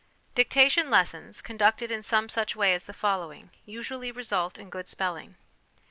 Dictation lessons, conducted in some such way as the following, usually result in good spelling.